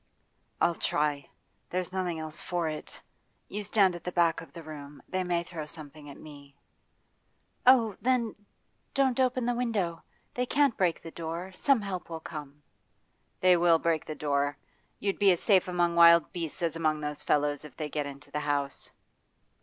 'I'll try. There's nothing else for it. You stand at the back of the room; they may throw something at me.' 'Oh, then, don't open the window! They can't break the door. Some help will come.' 'They will break the door. You'd be as safe among wild beasts as among those fellows if they get into the house.